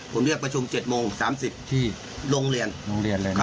ผมเรียกประชุม๗โมง๓๐ที่โรงเรียน